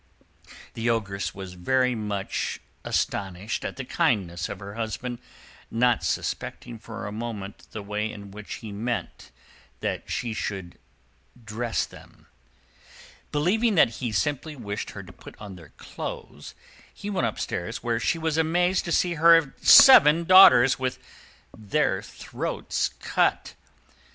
The Ogress was very much astonished at the kindness of her husband, not suspecting for a moment the way in which he meant that she should dress them. Believing that he simply wished her to put on their clothes, she went upstairs, where she was amazed to see her seven daughters with their throats cut.